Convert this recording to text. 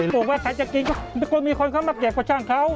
พูดว่าใครจะกินก็มีคนเขามาเพลียดฮาวชั่งเขา